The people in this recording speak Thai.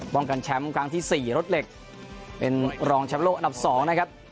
ป้องกันแชมป์กลางที่๔รถเหล็กเป็นรองแชมป์โลกนับ๒นะครับ